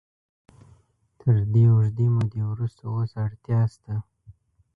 تر دې اوږدې مودې وروسته اوس اړتیا شته.